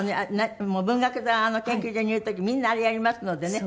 文学座の研究所にいる時みんなあれやりますのでね。